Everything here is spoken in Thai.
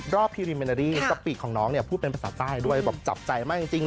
รอบพีริเมนอรีพิษสปีกของน้องพูดเป็นภาษาใต้ด้วยจับใจมากจริง